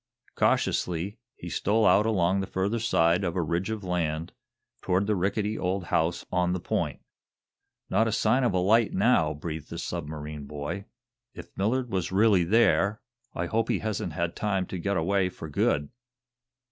Cautiously he stole out along the further side of a ridge of land, toward the rickety old house on the point. "Not a sign of a light, now," breathed the submarine boy. "If Millard was really there, I hope he hasn't had time to get away for good."